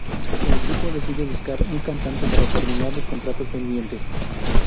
El grupo decide buscar un cantante para terminar los contratos pendientes.